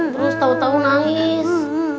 terus tau tau nangis